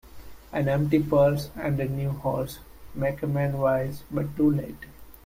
An empty purse, and a new house, make a man wise, but too late.